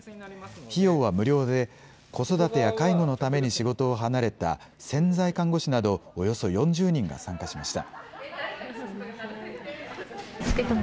費用は無料で、子育てや介護のために仕事を離れた潜在看護師などおよそ４０人が参加しました。